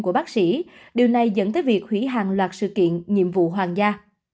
của bác sĩ điều này dẫn tới việc hủy hàng loạt sự kiện nhiệm vụ hoàng gia